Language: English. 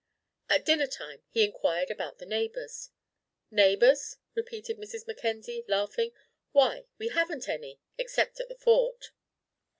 At dinner time he inquired about the neighbours. "Neighbours?" repeated Mrs. Mackenzie, laughing; "why, we haven't any, except at the Fort."